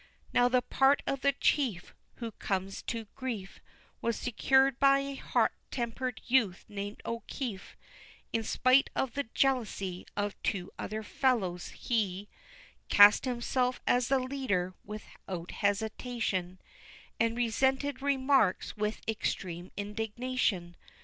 Now the part of the chief Who comes to grief Was secured by a hot tempered youth, named O'Keefe; In spite of the jealousy Of two other fellows, he Cast himself as the leader, without hesitation, And resented remarks with extreme indignation.